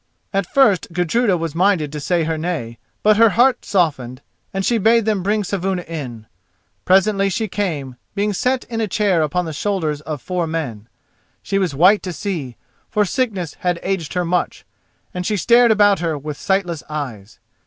At first Gudruda was minded to say her nay; but her heart softened, and she bade them bring Saevuna in. Presently she came, being set in a chair upon the shoulders of four men. She was white to see, for sickness had aged her much, and she stared about her with sightless eyes.